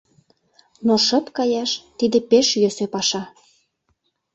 Но шып каяш — тиде пеш йӧсӧ паша.